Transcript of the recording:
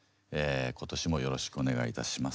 今年もよろしくお願いいたします。